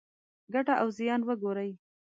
ګټه او زیان وګورئ.